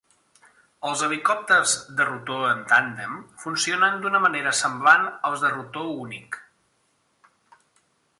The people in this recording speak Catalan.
Els helicòpters de rotor en tàndem funcionen d'una manera semblant als de rotor únic.